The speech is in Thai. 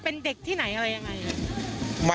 เป็นเด็กที่ไหนอะไรยังไง